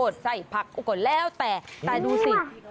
แต่ดูสิ